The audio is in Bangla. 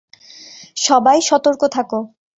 সবাই, সতর্ক থাকো।